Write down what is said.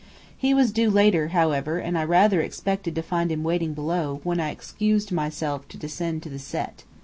He was due later, however, and I rather expected to find him waiting below, when I excused myself to descend to the Set.